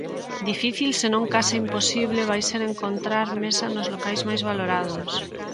Difícil senón case imposible vai ser encontrar mesa nos locais máis valorados.